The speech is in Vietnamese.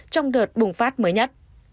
trong đợt bùng phát mới nhất